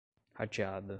rateada